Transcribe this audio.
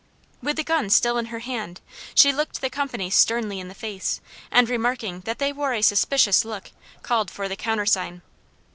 With the gun still in her hand, she looked the company sternly in the face, and remarking that they wore a suspicious look, called for the countersign.